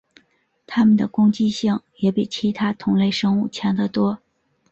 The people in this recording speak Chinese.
它们的攻击性也比其他同类生物强得多。